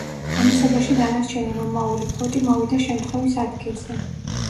ამასობაში დანარჩენი რომაული ფლოტი მოვიდა შემთხვევის ადგილზე.